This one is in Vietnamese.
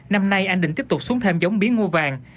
năm nay anh định tiếp tục xuống thêm giống bí ngô vàng